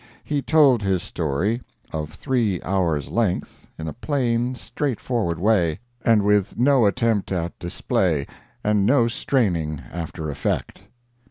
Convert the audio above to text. He told his story, of three hours length, in a plain, straightforward way, and with no attempt at display and no straining after effect.